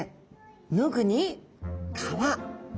「脱ぐ」に「皮」。